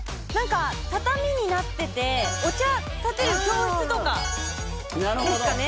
畳になっててお茶たてる教室とかですかね？